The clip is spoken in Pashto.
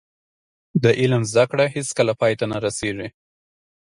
د علم زده کړه هیڅکله پای ته نه رسیږي.